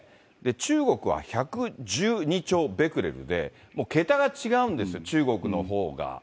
中国は１１２兆ベクレルで、もう桁が違うんですよ、中国のほうが。